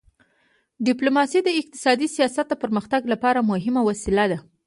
ډیپلوماسي د اقتصادي سیاست د پرمختګ لپاره مهمه وسیله ده.